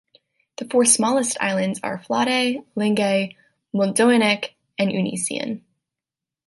The four smallest islands are Flodday, Lingay, Muldoanich and Uineasan.